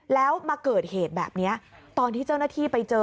แล้วมาเกิดเหตุแบบนี้ตอนที่เจ้าหน้าที่ไปเจอ